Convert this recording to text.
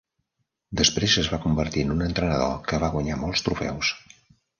Després es va convertir en un entrenador que va guanyar molts trofeus.